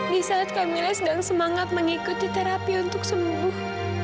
di saat camilla sedang semangat mengikuti terapi untuk sembuh